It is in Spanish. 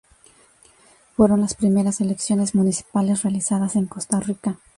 Fueron las primeras elecciones municipales realizadas en Costa Rica.